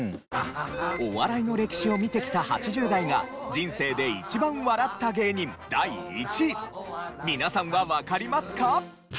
お笑いの歴史を見てきた８０代が人生で一番笑った芸人第１位皆さんはわかりますか？